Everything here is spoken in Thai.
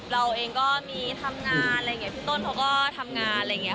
เราเองก็มีทำงานพี่ต้นเขาก็ทำงาน